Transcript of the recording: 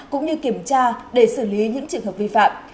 cũng như kiểm tra để xử lý những trường hợp vi phạm